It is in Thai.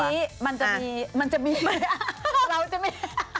เราจะไม่